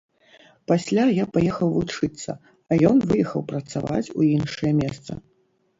Пасля я паехаў вучыцца, а ён выехаў працаваць у іншае месца.